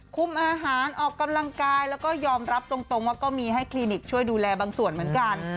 คุมอาหารออกกำลังกายแล้วก็ยอมรับตรงว่าก็มีให้คลินิกช่วยดูแลบางส่วนเหมือนกัน